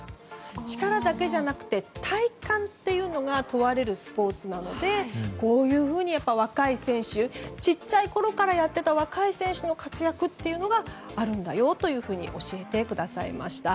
力だけじゃなくて体幹いうのが問われるスポーツなので小さいころからやっていた若い選手の活躍というのがあるんだよというふうに教えてくださいました。